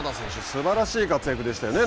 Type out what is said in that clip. すばらしい活躍でしたね